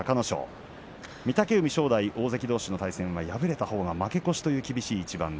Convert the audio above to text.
御嶽海と正代、大関どうしの対戦は敗れたほうが負け越しという厳しい一番。